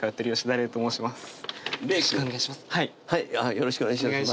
よろしくお願いします